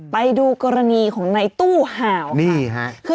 ไปดูกรณีของในตู้ห่าวนี่ฮะ